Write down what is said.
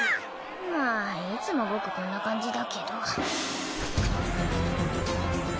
まあいつも僕こんな感じだけど。